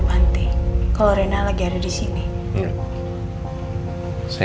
nanti lagi bersih ya